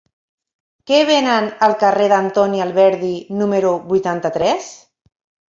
Què venen al carrer d'Antoni Alberdi número vuitanta-tres?